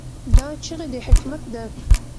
دا چیغه د حکمت ده.